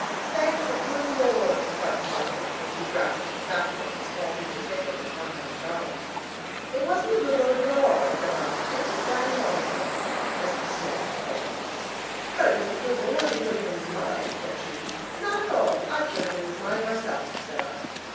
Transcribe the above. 'Thank the good Lord!' cried the mother, when she grasped the fact that that small piece of paper was one hundred dollars. 'It wasn't the good Lord at all,' said I, 'it was Daddy Long Legs.' (Mr. Smith, I called you.) 'But it was the good Lord who put it in his mind,' said she. 'Not at all! I put it in his mind myself,' said I.